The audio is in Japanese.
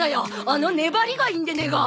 あの粘りがいいんでねえが！